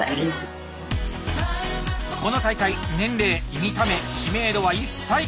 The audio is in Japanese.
この大会年齢見た目知名度は一切関係なし！